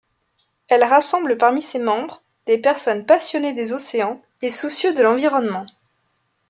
Elle rassemble parmi ses membres des personnes passionnées des océans et soucieux de l'environnement.